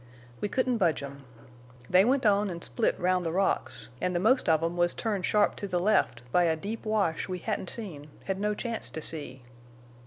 We couldn't budge 'em. They went on en' split round the rocks, en' the most of 'em was turned sharp to the left by a deep wash we hedn't seen—hed no chance to see.